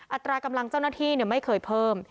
อัตรากำลังเจ้าหน้าที่ไม่เคยเพิ่ม